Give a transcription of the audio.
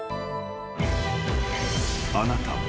［あなたは］